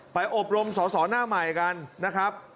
อบรมสอสอหน้าใหม่กันนะครับ